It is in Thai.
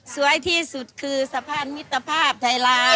สวยที่สุดคือสะพานมิตรภาพไทยลาว